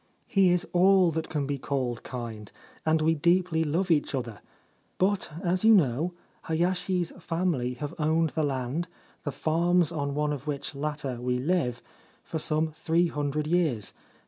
He is all that can be called kind, and we deeply love each other ; but, as you know, Hayashi's family have owned the land, the farms on one of which latter we live, for some three hundred years.